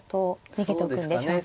逃げとくんでしょうか。